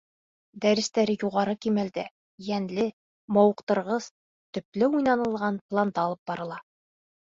Дәрестәре юғары кимәлдә, йәнле, мауыҡтырғыс, төплө уйланылған планда алып барыла.